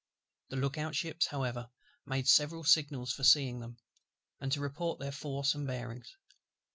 The look out ships, however, made several signals for seeing them, and to report their force and bearings.